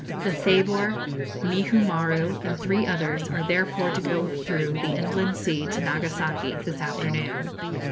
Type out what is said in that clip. The 'Thabor,' 'Mihu Maru,' and three others, are therefore to go through the Inland Sea to Nagasaki this afternoon.